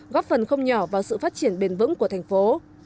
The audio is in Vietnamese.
góp phần không nhỏ vào sự phát triển bền vững của thành phố